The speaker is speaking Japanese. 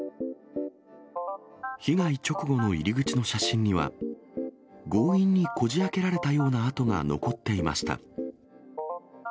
被害直後の入り口の写真には、強引にこじあけられたような跡が残っていました。